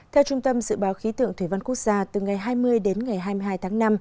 theo trung tâm dự báo khí tượng thủy văn quốc gia từ ngày hai mươi đến ngày hai mươi hai tháng năm